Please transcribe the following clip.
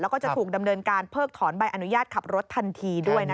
แล้วก็จะถูกดำเนินการเพิกถอนใบอนุญาตขับรถทันทีด้วยนะคะ